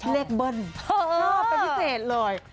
เบิ้ลชอบเป็นพิเศษเลย